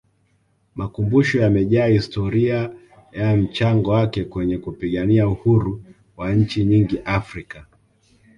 makumbusho yamejaa historia ya mchango wake kwenye kupigania Uhuru wa nchi nyingi africa